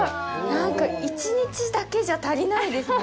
なんか１日だけじゃ足りないですね。